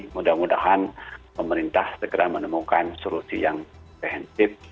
mudah mudahan pemerintah segera menemukan solusi yang preventif